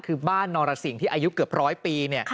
คือบ้านนรสิงที่อายุเกือบ๑๐๐ปี